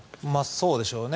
そうでしょうね。